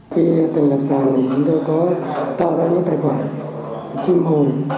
khi tình lập sàn thì chúng tôi có tạo ra những tài khoản